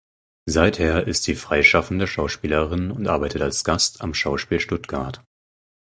Seither ist sie freischaffende Schauspielerin und arbeitet als Gast am Schauspiel Stuttgart.